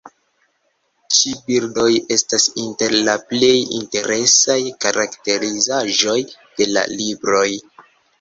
Ĉi-bildoj estas inter la plej interesaj karakterizaĵoj de la libroj.